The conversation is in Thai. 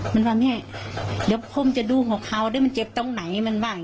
แล้วผมจะดูหัวเขาซึ่งเจ็บตรงไหน